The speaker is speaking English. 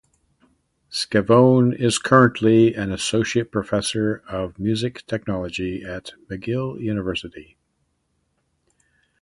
Scavone is currently an associate professor of music technology at McGill University.